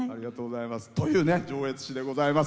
という上越市でございます。